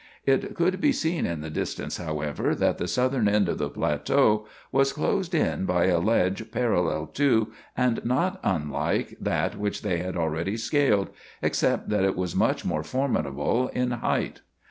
It could be seen in the distance, however, that the southern end of the plateau was closed in by a ledge parallel to and not unlike that which they had already scaled, except that it was much more formidable in height.